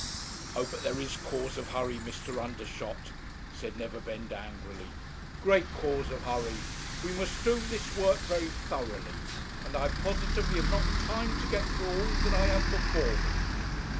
'Oh, but there is cause of hurry, Mr. Undershot,' said Neverbend angrily 'great cause of hurry; we must do this work very thoroughly; and I positively have not time to get through all that I have before me.